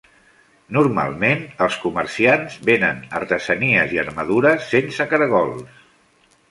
Normalment, els comerciants venen artesanies i armadures sense caragols.